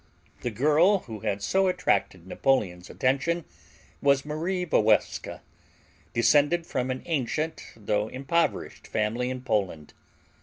The girl who had so attracted Napoleon's attention was Marie Walewska, descended from an ancient though impoverished family in Poland.